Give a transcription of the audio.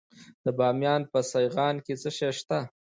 د بامیان په سیغان کې څه شی شته؟